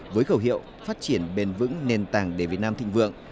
với khẩu hiệu phát triển bền vững nền tảng để việt nam thịnh vượng